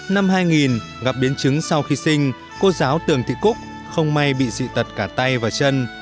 năm hai nghìn gặp biến chứng sau khi sinh cô giáo tường thị cúc không may bị dị tật cả tay và chân